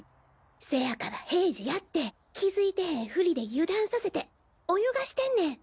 せやから平次やって気づいてへんフリで油断させて泳がしてねん！